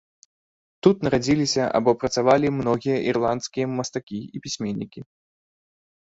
Тут нарадзіліся або працавалі многія ірландскія мастакі і пісьменнікі.